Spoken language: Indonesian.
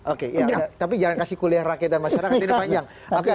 oke tapi jangan kasih kuliah rakyat dan masyarakat ini panjang